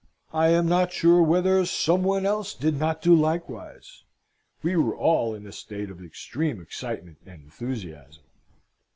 I am not sure whether some one else did not do likewise. We were all in a state of extreme excitement and enthusiasm.